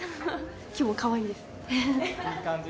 今日もかわいいですいい感じ